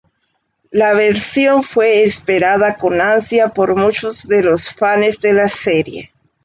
La versión fue esperada con ansia por muchos de los fanes de la serie.